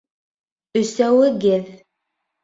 Өсәүегеҙ